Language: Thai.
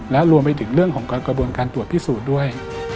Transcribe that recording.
และรวมไปถึงเรื่องของกระบวนการตรวจพิสูจน์ด้วย